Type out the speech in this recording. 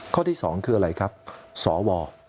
ข้อที่๒คืออะไรครับสว